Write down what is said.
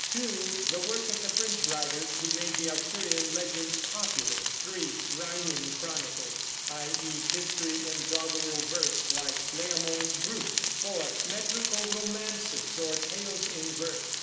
(2) The work of the French writers, who made the Arthurian legends popular. (3) Riming Chronicles, i.e. history in doggerel verse, like Layamon's Brut. (4) Metrical Romances, or tales in verse.